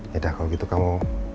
yaudah kalau gitu kamu